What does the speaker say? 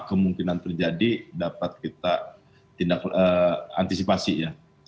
kemungkinan terjadi dapat kita tindak antisipasi ya